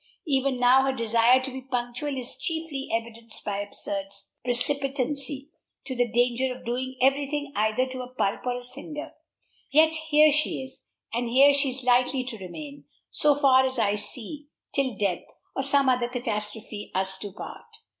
Even now her desire to be punctual is chiefly evidenced by absurd precipitancy, to the danger of doing every thing either to a pulp or a cinder. Yet here she is, and here she is likely to remain, so far as I see, till death, or some other catastrophe, us do part.